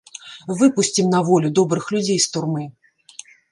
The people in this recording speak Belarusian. Выпусцім на волю добрых людзей з турмы.